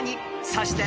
［そして］